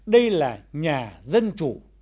đây là nhà dân chủ